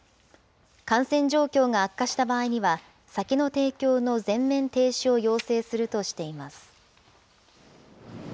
感染状況が悪化した場合には、酒の提供の全面停止を要請するとしています。